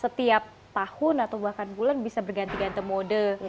setiap tahun atau bahkan bulan bisa berganti ganti mode